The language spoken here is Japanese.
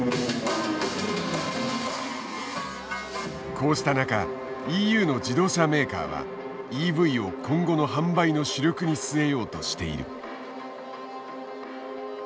こうした中ＥＵの自動車メーカーはＥＶを今後の販売の主力に据えようとしている。